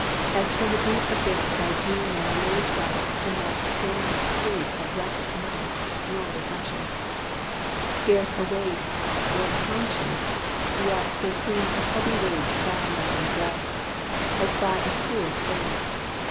As from a deep abyss, I drew my weary self from that strange sleep That rests not, nor refreshes. Scarce awake Or conscious, yet there seemed a heavy weight Bound on my breast, as by a cruel Fate.